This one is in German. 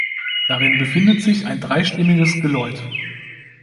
Darin befinden sich ein dreistimmiges Geläut.